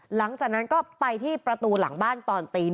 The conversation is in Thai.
หลังจากนั้นก็ไปที่ประตูหลังบ้านตอนตี๑